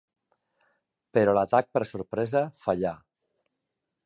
Però l'atac per sorpresa fallà